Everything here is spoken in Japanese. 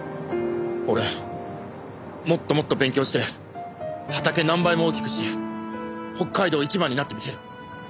俺もっともっと勉強して畑何倍も大きくして北海道一番になってみせる。